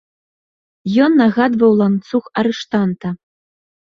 Ён нагадваў ланцуг арыштанта.